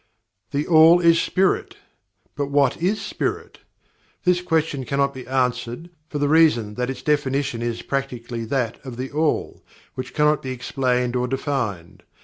THE ALL is SPIRIT! But what is Spirit? This question cannot be answered, for the reason that its definition is practically that of THE ALL, which cannot be explained or defined.